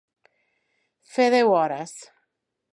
Fer deu hores.